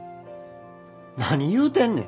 何言うてんねん。